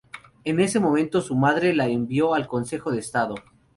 En ese momento su madre la envió al Consejo de Estado.